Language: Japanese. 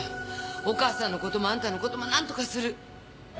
お母さんのこともあんたのこともなんとかする。